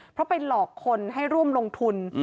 เพราะไปหลอกคนให้ร่วมลงทุน